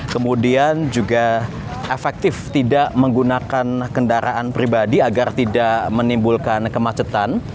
kemudian juga efektif tidak menggunakan kendaraan pribadi agar tidak menimbulkan kemacetan